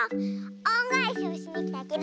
おんがえしをしにきたケロ！